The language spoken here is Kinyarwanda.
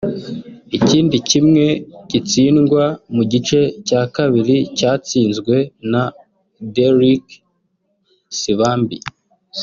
Ikindi kimwe gitsindwa mu gice cya kabiri cyatsinzwe na Derrick Nsibambi